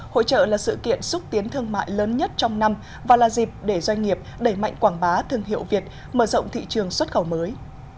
hội trợ là sự kiện xúc tiến thương mại lớn nhất trong năm và là dịp để doanh nghiệp đẩy mạnh quảng bá thương hiệu việt mở rộng thị trường xuất khẩu mới